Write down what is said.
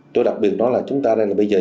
tôi đặc biệt nói là chúng ta đây là bây giờ